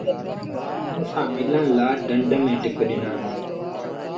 موݩٚ سآݩٚ ملڻ لآ ڍنڍ ميݩ ٽپ ڏنآندي۔